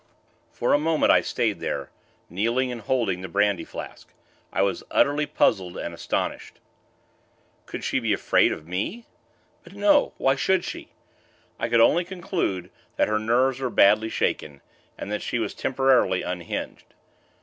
For a moment, I stayed there kneeling and holding the brandy flask. I was utterly puzzled and astonished. Could she be afraid of me? But no! Why should she? I could only conclude that her nerves were badly shaken, and that she was temporarily unhinged.